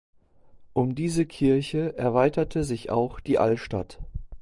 Um diese Kirche erweiterte sich auch die Altstadt.